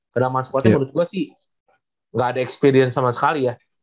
karena manfaatnya menurut gue sih gak ada experience sama sekali ya